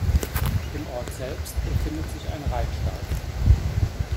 Im Ort selbst befindet sich ein Reitstall.